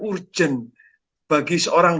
urgent bagi seorang